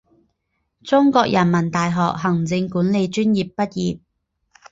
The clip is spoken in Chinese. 中国人民大学行政管理专业毕业。